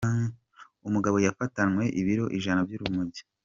Umugabo Yafatanwe ibiro ijana by’urumogi